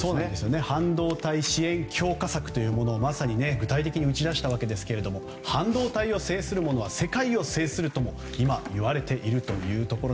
半導体支援強化策をまさに具体的に打ち出したわけですけども半導体を制するものは、世界を制するともいわれていると。